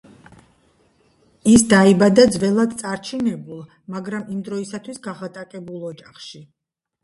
ის დაიბადა ძველად წარჩინებულ, მაგრამ იმ დროისთვის გაღატაკებულ ოჯახში.